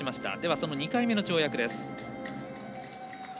その２回目の跳躍です。